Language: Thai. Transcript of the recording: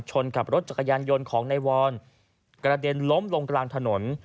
กับรถจักรยานยนต์ของนายวรกระเด็นล้มลงกลางถนน